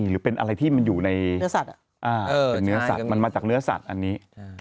หรือเป็นอะไรที่มันอยู่ในเนื้อสัตว์เป็นเนื้อสัตว์มันมาจากเนื้อสัตว์อันนี้